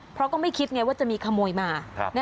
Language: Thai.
เพราะก็ไม่คิดไงว่าจะมีขโมยมา